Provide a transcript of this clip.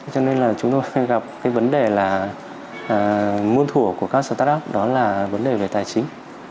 cho nên là chúng tôi gặp cái vấn đề là muôn thủ của các start up đó là vấn đề về tài chính